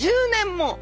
１０年も！